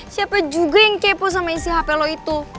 siapa juga yang kepo sama isi hp lo itu